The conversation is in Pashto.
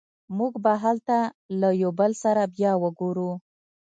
موږ به هلته له یو بل سره بیا وګورو